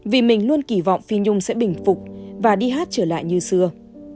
vì mình luôn kỳ vọng phi nhung sẽ bình phục và đi hát trở lại như xưa